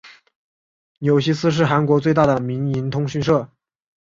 纽西斯是韩国最大的民营通讯社。